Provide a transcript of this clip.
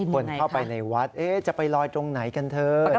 คนเข้าไปในวัดจะไปลอยตรงไหนกันเถอะ